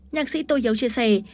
nhạc sĩ tô hiếu chia sẻ